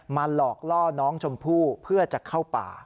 หลอกล่อน้องชมพู่เพื่อจะเข้าป่า